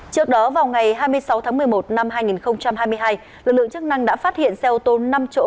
trước đó vào ngày hai mươi sáu tháng một mươi một năm hai nghìn hai mươi hai lực lượng chức năng đã phát hiện xe ô tô năm chỗ